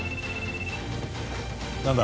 ☎何だ？